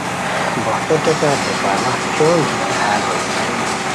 بوہتو ٹیکہ بے پرواہ چونگ دیتی ہال ہوئے